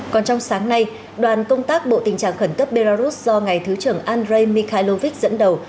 còn trong sáng nay đoàn công tác bộ tình trạng khẩn cấp belarus do ngài thứ trưởng andrei mikhailovich dẫn đầu